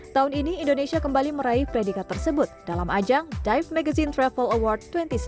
tahun ini indonesia kembali meraih predikat tersebut dalam ajang dive magazine travel award dua ribu sembilan belas